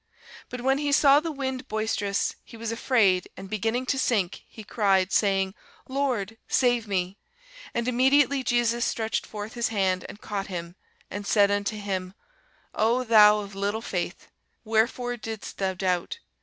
But when he saw the wind boisterous, he was afraid; and beginning to sink, he cried, saying, Lord, save me. And immediately Jesus stretched forth his hand, and caught him, and said unto him, O thou of little faith, wherefore didst thou doubt?